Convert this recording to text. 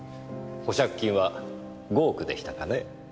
保釈金は５億でしたかね。